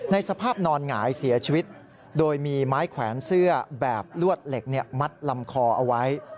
สภาพนอนหงายเสียชีวิตโดยมีไม้แขวนเสื้อแบบลวดเหล็กมัดลำคอเอาไว้